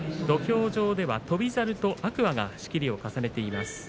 土俵上では翔猿と天空海が仕切りを重ねています。